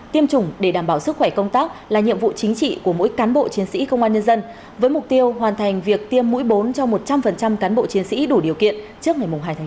tiêm chủng để đảm bảo sức khỏe công tác là nhiệm vụ chính trị của mỗi cán bộ chiến sĩ công an nhân dân với mục tiêu hoàn thành việc tiêm mũi bốn cho một trăm linh cán bộ chiến sĩ đủ điều kiện trước ngày hai chín